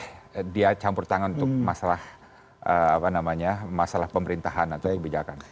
karena dia campur tangan untuk masalah pemerintahan atau kebijakan